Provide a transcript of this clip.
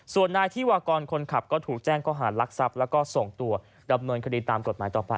ส่วนนายที่วากรคนขับก็ถูกแจ้งข้อหารักทรัพย์แล้วก็ส่งตัวดำเนินคดีตามกฎหมายต่อไป